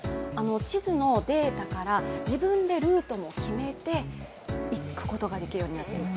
地図のデータから自分でルートも決めて行くことができるようになっています。